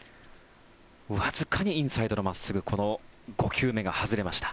わずかにインサイドの真っすぐこの５球目が外れました。